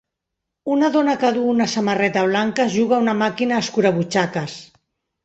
Una dona que duu una samarreta blanca juga a una màquina escurabutxaques.